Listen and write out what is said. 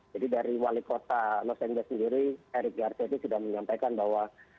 jadi dari wali kota los angeles sendiri eric garcetti sudah menyampaikan bahwa